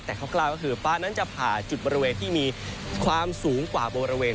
แต่คร่าวก็คือฟ้านั้นจะผ่าจุดบริเวณที่มีความสูงกว่าบริเวณ